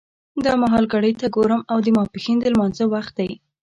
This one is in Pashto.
دا مهال ګړۍ ته ګورم او د ماسپښین د لمانځه وخت دی.